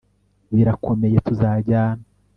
Birakomeye Tuzajyana